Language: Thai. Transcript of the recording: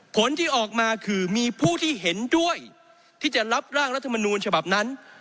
ผลที่ออกมาคือมีผู้ที่เห็นด้วยที่จะรับร่างรัฐมนูลฉบับนั้น